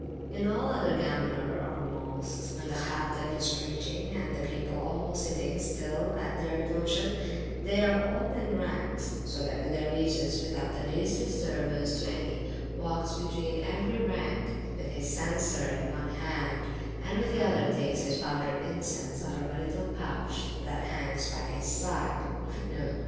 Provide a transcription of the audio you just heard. In all other Gamiler or Mosques, when the Hattib is preaching, and the people all sitting still at their devotion, they are all in ranks, so that the dervise, without the least disturbance to any, walks between every rank, with his censer in one hand, and with the other takes his powdered incense out of a little pouch that hangs by his side.